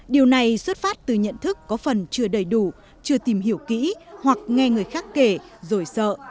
điều này xuất phát từ nhận thức có phần chưa đầy đủ chưa tìm hiểu kỹ hoặc nghe người khác kể rồi sợ